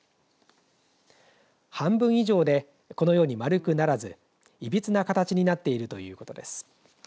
半分以上でこのように丸くならずいびつな形になっているということです。